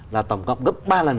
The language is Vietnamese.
là tổng cộng gấp ba lần